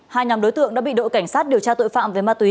hai nhóm đối tượng đã bị đội cảnh sát điều tra tội phạm về ma túy